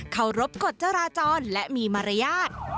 เคารพกฎจราจรและมีมารยาท